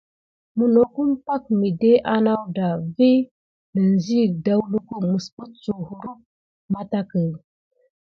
Minokum pay midé anakuda vi nevoyi dakulum misbukine kurum mantaki.